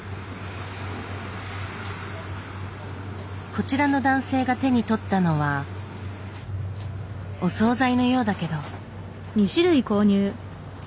こちらの男性が手に取ったのはお総菜のようだけど。